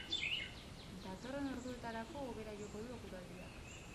Datorren orduetarako hobera joko du eguraldiak.